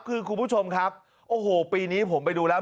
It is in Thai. คือคุณผู้ชมครับโอ้โหปีนี้ผมไปดูแล้ว